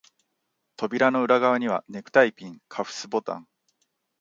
扉の裏側には、ネクタイピン、カフスボタン、